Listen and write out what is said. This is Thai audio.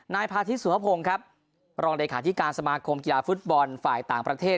นายพาทิตสุภพงศ์ครับรองเลขาธิการสมาคมกีฬาฟุตบอลฝ่ายต่างประเทศ